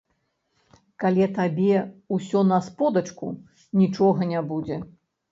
Калі табе ўсё на сподачку, нічога не будзе.